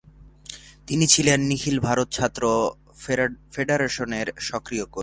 তিনি ছিলেন নিখিল ভারত ছাত্র ফেডারেশনের সক্রিয় কর্মী।